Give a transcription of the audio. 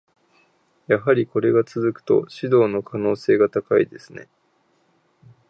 やはりこれが続くと、指導の可能性が高いですね。